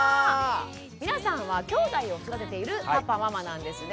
皆さんはきょうだいを育てているパパママなんですね。